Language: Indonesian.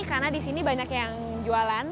karena di sini banyak yang jualan